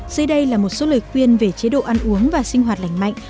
dưới đây là một số lời khuyên về chế độ ăn uống và sinh hoạt lành mạnh